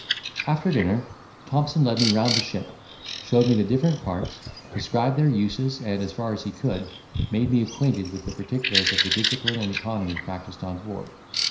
After dinner Thompson led me round the ship, showed me the different parts, described their uses, and, as far as he could, made me acquainted with the particulars of the discipline and economy practised on board.